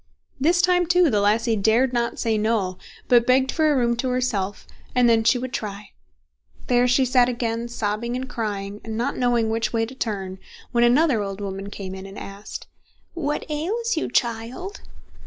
This time, too, the lassie dared not say No, but begged for a room to herself, and then she would try. There she sat again, sobbing and crying, and not knowing which way to turn, when another old woman came in and asked: "What ails you, child?"